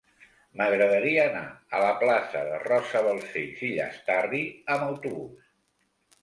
M'agradaria anar a la plaça de Rosa Balcells i Llastarry amb autobús.